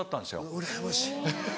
うらやましい。